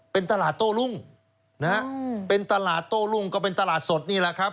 เป็นตลาดโต้รุ่งนะฮะเป็นตลาดโต้รุ่งก็เป็นตลาดสดนี่แหละครับ